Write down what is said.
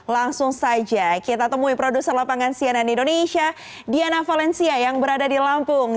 langsung saja kita temui produser lapangan cnn indonesia diana valencia yang berada di lampung